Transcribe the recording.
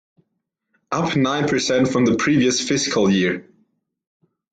Up nine percent from the previous fiscal year.